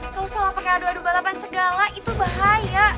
lo salah pake adu adu balapan segala itu bahaya